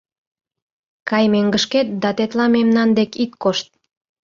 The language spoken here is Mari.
Кай мӧҥгышкет да тетла мемнан дек ит кошт!